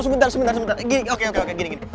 sebentar sebentar gini oke oke gini